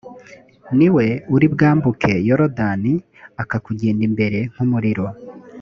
niwe uri bwambuke yorudani akakugenda imbere nk’umuriro